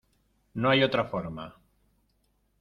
no hay otra forma.